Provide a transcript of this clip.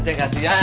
ya c kasian